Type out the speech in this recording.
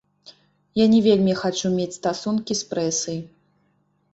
Я не вельмі хачу мець стасункі з прэсай.